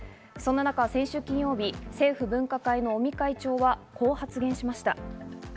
そんな中、先週金曜日、政府分科会の尾身会長はこう発言しました。